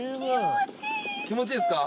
気持ちいいですか？